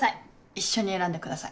一緒に選んでください。